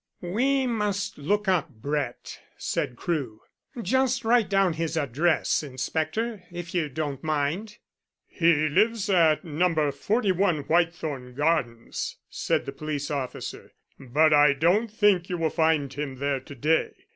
"We must look up Brett," said Crewe. "Just write down his address, inspector if you don't mind." "He lives at No. 41 Whitethorn Gardens," said the police officer. "But I don't think you will find him there to day.